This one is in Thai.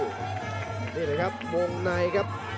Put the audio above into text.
เอาคืนเลยครับวงในครับ